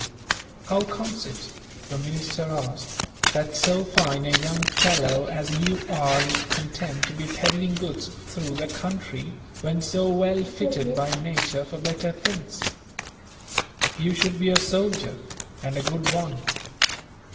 "How comes it," the minister asked, "that so fine a young fellow as you are is content to be peddling goods through the country, when so well fitted by nature for better things? You should be a soldier, and a good one.